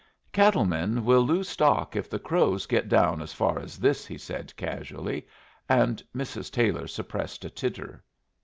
"Cattle men will lose stock if the Crows get down as far as this," he said, casually, and Mrs. Taylor suppressed a titter.